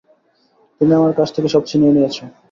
তুমি আমার কাছ থেকে সব ছিনিয়ে নিয়েছ।